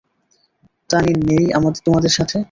তানি নেই তোমাদের সাথে?